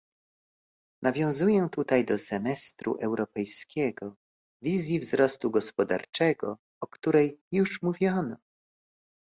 Nawiązuję tutaj do semestru europejskiego, wizji wzrostu gospodarczego, o której już mówiono